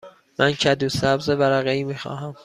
من کدو سبز ورقه ای می خواهم.